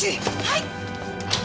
はい！